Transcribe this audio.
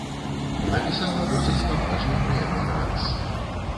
Напісала досыць паважны пра яго нарыс.